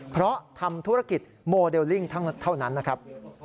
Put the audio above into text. เพราะทำธุรกิจโมเดลลิ่งเท่านั้นนะครับ